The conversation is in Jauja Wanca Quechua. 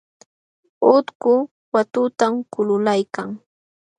Utku watutam kululaykan.